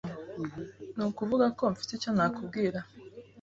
Nukuvugako, mfite icyo nakubwira.